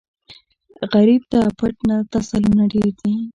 غریب ته پټ تسلونه ډېر دي